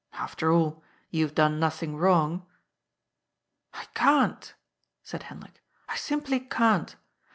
After all, you have done nothing wrong." " I can't," said Hendrik, " I simply can't.